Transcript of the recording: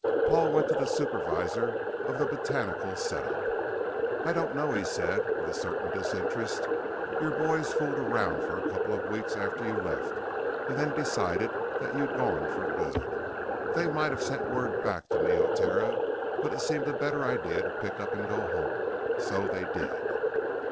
Paul went to the supervisor of the botanical set up. "I don't know," he said with a certain disinterest. "Your boys fooled around for a couple of weeks after you left and then decided that you'd gone for good. They might have sent word back to Neoterra, but it seemed a better idea to pick up and go home. So they did."